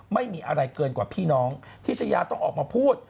ไม่มีอะไรเกินกว่าพี่น้องที่ชายาต้องออกมาพูด